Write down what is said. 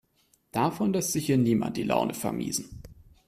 Davon lässt sich hier niemand die Laune vermiesen.